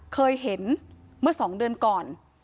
เคยเห็นเมื่อ๒เดือนก่อน